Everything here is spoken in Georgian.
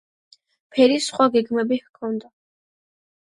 ფერის სხვა გეგმები ჰქონდა.